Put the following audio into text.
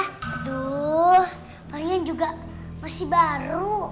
aduh kalian juga masih baru